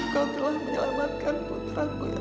bapak telah menyelamatkan putraku ya allah